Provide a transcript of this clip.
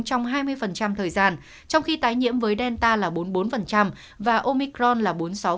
trong hai mươi thời gian trong khi tái nhiễm với delta là bốn mươi bốn và omicron là bốn mươi sáu